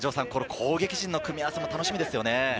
攻撃陣の組み合わせも楽しみですね。